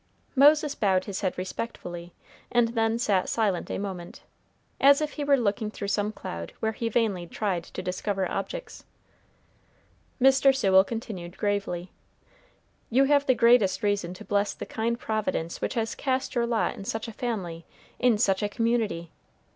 Moses bowed his head respectfully, and then sat silent a moment, as if he were looking through some cloud where he vainly tried to discover objects. Mr. Sewell continued, gravely, "You have the greatest reason to bless the kind Providence which has cast your lot in such a family, in such a community.